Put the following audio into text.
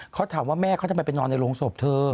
เขาถามว่าแม่เขาทำไมไปนอนในโรงศพเธอ